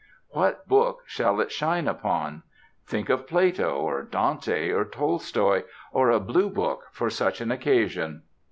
What book shall it shine upon? Think of Plato, or Dante, or Tolstoy, or a Blue Book for such an occasion!